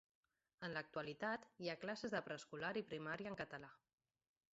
En l'actualitat hi ha classes de preescolar i primària en català.